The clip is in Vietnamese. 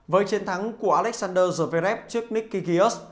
với chiến thắng của alexander zverev trước nicky gears